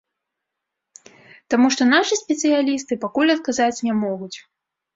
Таму што нашы спецыялісты пакуль адказаць не могуць.